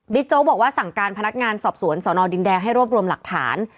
โจ๊กบอกว่าสั่งการพนักงานสอบสวนสนดินแดงให้รวบรวมหลักฐาน